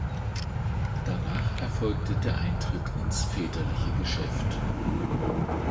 Danach erfolgte der Eintritt ins väterliche Geschäft.